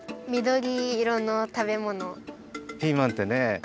ピーマンってね